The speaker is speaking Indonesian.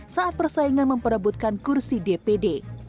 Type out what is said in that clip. saat persaingan memperebutkan kursi dpd